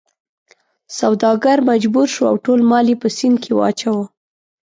سوداګر مجبور شو او ټول مال یې په سیند کې واچاوه.